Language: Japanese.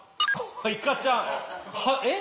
いかちゃんえっ？